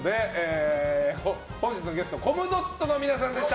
本日のゲストコムドットの皆さんでした。